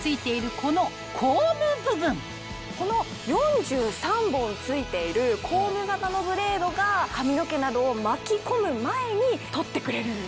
このコーム部分この４３本付いているコーム型のブレードが髪の毛などを巻き込む前に取ってくれるんです。